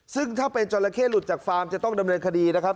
ซึ่งถ้าเป็นจราเข้หลุดจากฟาร์มจะต้องดำเนินคดีนะครับ